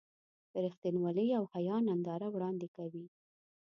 د رښتینولۍ او حیا ننداره وړاندې کوي.